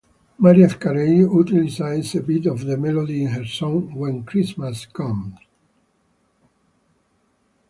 Mariah Carey utilizes a bit of the melody in her song "When Christmas Comes".